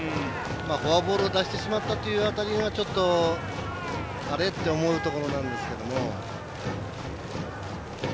フォアボールを出してしまったという辺りがちょっと、あれ？って思うところなんですけども。